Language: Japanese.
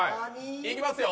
いきますよ。